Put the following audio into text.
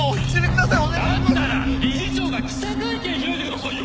だったら理事長が記者会見を開いてくださいよ！